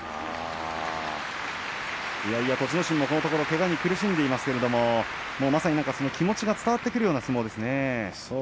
心もこのところけがに苦しんでいますけどもまさに気持ちが伝わってくるような相撲ですね。